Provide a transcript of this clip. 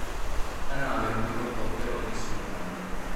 La nave non riportò però nessun danno.